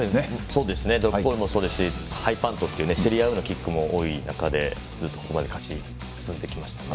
ドロップゴールもそうですし、ハイパントっていう競りあがるキックも多い中で、ずっとここまで勝ち進んできましたね。